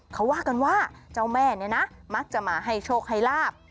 เขาว่ากันว่าเจ้าแม่เนี่ยนะมักจะมาให้โชคให้ลาบ